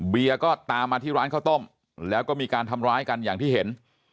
ก็ตามมาที่ร้านข้าวต้มแล้วก็มีการทำร้ายกันอย่างที่เห็น